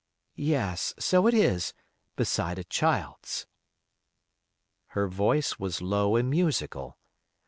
yes, so it is—'beside a child's.'" Her voice was low and musical.